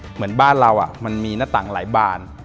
เหมือนบ้านเรามันมีหน้าต่างหลายบาน